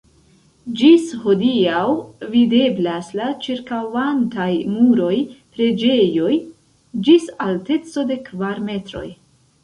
Ĝis hodiaŭ videblas la ĉirkaŭantaj muroj preĝejoj (ĝis alteco de kvar metroj).